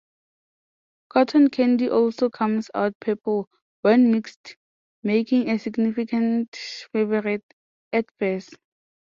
Cotton candy also comes out purple, when mixed, making a significant favorite at fairs.